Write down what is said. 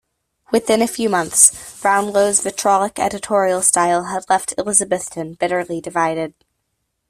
Within a few months, Brownlow's vitriolic editorial style had left Elizabethton bitterly divided.